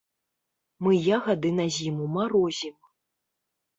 Мы ягады на зіму марозім.